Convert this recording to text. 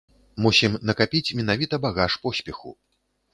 Мусім накапіць менавіта багаж поспеху.